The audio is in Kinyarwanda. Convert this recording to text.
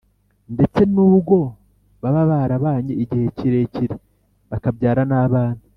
ndetse nubwo baba barabanye igihe kirekire, bakabyara n’abana.